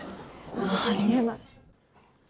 あり得ない。